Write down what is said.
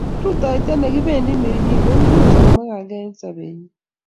rotoito nekibendi Mirihi ko imuch komukaka eng sobenyu